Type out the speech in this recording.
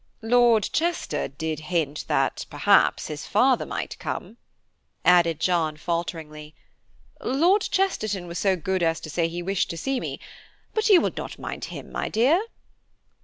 "Lord Chester did hint that perhaps his father might come," added John falteringly. "Lord Chesterton was so good as to say he wished to see me; but you would not mind him, my dear."